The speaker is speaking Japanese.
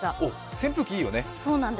扇風機、いいよね。